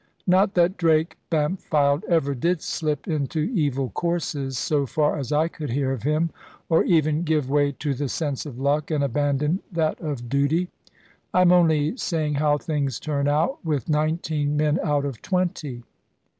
Not that Drake Bampfylde ever did slip into evil courses, so far as I could hear of him, or even give way to the sense of luck, and abandon that of duty. I am only saying how things turn out, with nineteen men out of twenty.